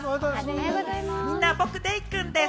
みんな、僕デイくんです！